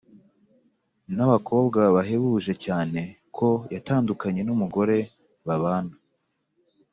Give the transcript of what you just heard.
nabakobwa byahebuje cyane ko yatandukanye numugore babana